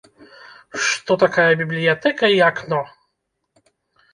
Што такая бібліятэка і акно?